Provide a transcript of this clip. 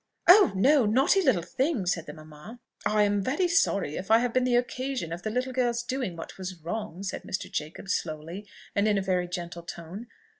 "Oh no!... naughty little thing!" said the mamma. "I am very sorry if I have been the occasion of the little girl's doing what was wrong," said Mr. Jacob slowly and in a very gentle tone.